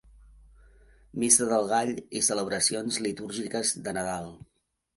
Missa del Gall i celebracions litúrgiques de Nadal.